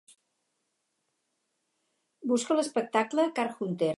Busca l'espectacle Card Hunter.